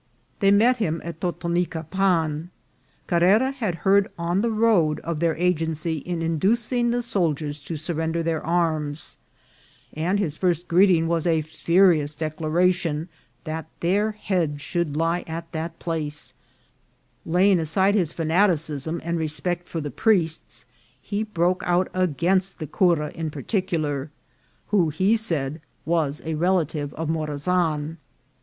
They met him at Totonicapan. Carrera had heard on the road of their agency in indu cing the soldiers to surrender their arms, and his first greeting was a furious declaration that their heads should lie at that place ; laying aside his fanaticism and re spect for the priests, he broke out against the cura in particular, who, he said, was a relative of Morazan.